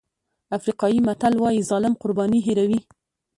افریقایي متل وایي ظالم قرباني هېروي.